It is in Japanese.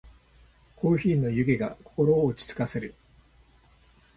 コーヒーの湯気が心を落ち着かせる。